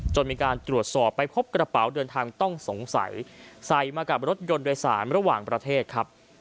มีการตรวจสอบไปพบกระเป๋าเดินทางต้องสงสัยใส่มากับรถยนต์โดยสารระหว่างประเทศครับ